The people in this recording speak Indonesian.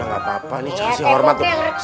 gak apa apa nih kasih hormat